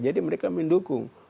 jadi mereka mendukung